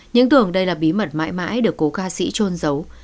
những tưởng đây là bí mật mãi mãi được cô ca sĩ trôn giấu